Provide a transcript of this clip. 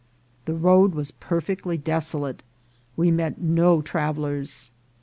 The road was perfectly desolate ; we met no travellers.